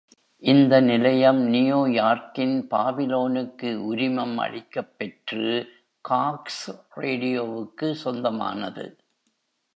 இந்த நிலையம் நியூயார்க்கின் பாபிலோனுக்கு உரிமம் அளிக்கப் பெற்று, காக்ஸ் ரேடியோவுக்கு சொந்தமானது.